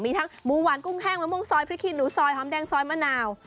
มีทั้งหมูหวานกุ้งแห้งมะม่วงซอยพริกขี้หนูซอยหอมแดงซอยมะนาว